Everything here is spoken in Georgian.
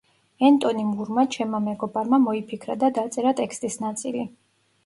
ენტონი მურმა, ჩემმა მეგობარმა, მოიფიქრა და დაწერა ტექსტის ნაწილი.